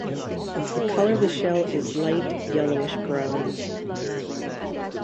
The color of the shell is light yellowish brown.